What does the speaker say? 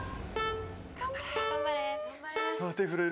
・頑張れ！